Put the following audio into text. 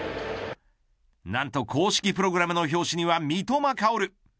何と公式プログラムの表紙には三笘薫。